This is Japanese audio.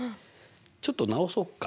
ちょっと直そうか。